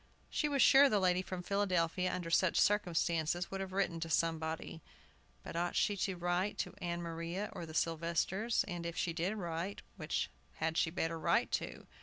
She was sure the lady from Philadelphia, under such circumstances, would have written to somebody. But ought she to write to Ann Maria or the Sylvesters? And, if she did write, which had she better write to?